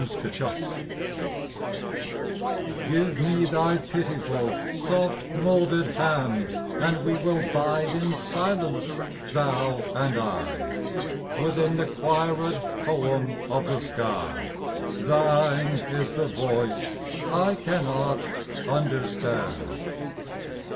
128 XXXV GIVE me thy pitiful, soft moulded hand, And we will bide in silence, Thou and I ; Within the choired poem of the sky Thine is the voice I cannot understand.